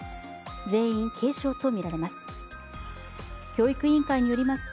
全員、軽症とみられます。